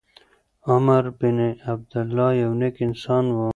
عمر بن عبیدالله یو نېک انسان و.